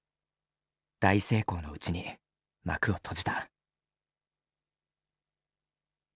大成功のうちに幕を閉じた。